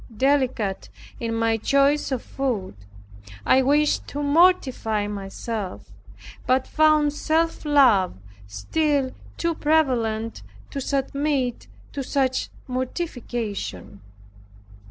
Delicate in my choice of food, I wished to mortify myself, but found self love still too prevalent, to submit to such mortification.